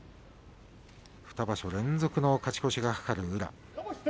２場所連続の勝ち越しが懸かる宇良。